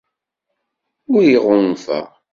Ur iɣunfa.